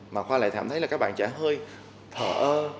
mà khoa lại cảm thấy là các bạn trẻ hơi thở ơ